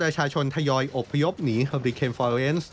ชนทยอยอบพยพหนีฮอริเคนฟอเรนซ์